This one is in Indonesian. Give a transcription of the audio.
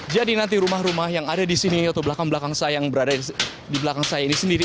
jadi nanti rumah rumah yang ada di sini atau belakang belakang saya yang berada di belakang saya ini sendiri